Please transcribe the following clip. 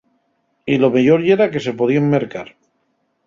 Y lo meyor yera que se podíen mercar.